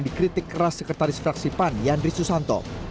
dikritik keras sekretaris fraksi pan yandri susanto